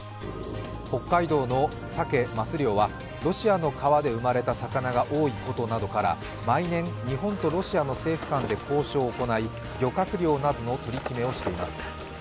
北海道のサケ・マス漁はロシアの川で生まれた魚が多いことから毎年日本とロシアの政府間で交渉を行い漁獲量などの取り決めをしています。